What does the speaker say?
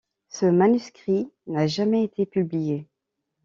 Ce manuscrit n'a jamais été publié.